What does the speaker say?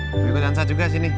gue dansa juga sini